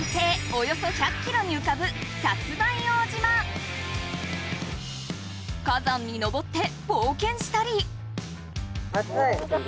およそ１００キロにうかぶ火山に登ってぼうけんしたり。